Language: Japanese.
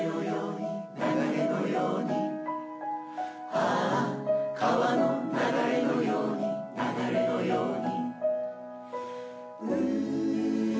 「ああ川の流れのように流れのように」